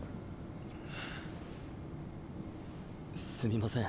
すみません